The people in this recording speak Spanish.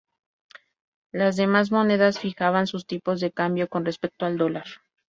Las demás monedas fijaban sus tipos de cambio con respecto al dólar.